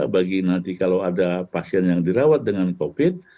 bagi nanti kalau ada pasien yang dirawat dengan covid